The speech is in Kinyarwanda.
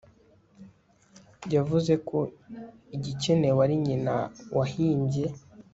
yavuze ko igikenewe ari nyina wahimbye